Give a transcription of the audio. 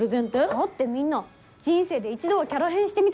だってみんな人生で一度はキャラ変してみたくない？